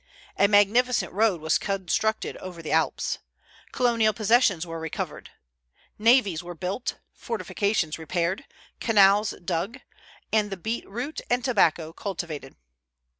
A magnificent road was constructed over the Alps. Colonial possessions were recovered. Navies were built, fortifications repaired, canals dug, and the beet root and tobacco cultivated.